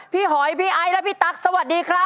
หอยพี่ไอ้และพี่ตั๊กสวัสดีครับ